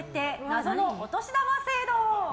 謎のお年玉制度！